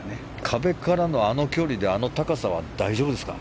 壁からのあの距離であの高さは大丈夫ですか？